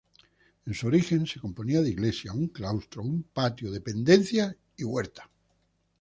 En su origen se componía de iglesia, un claustro, un patio, dependencias y huerta.